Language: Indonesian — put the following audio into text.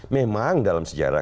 memang dalam sejarah